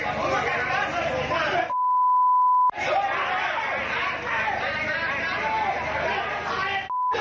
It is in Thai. ตำนวดก็ลองพยายามระงับทีเหตุเอาไว้นะฮะอือโอโห